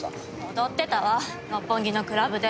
踊ってたわ六本木のクラブで。